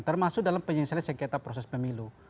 termasuk dalam penyelesaian sengketa proses pemilu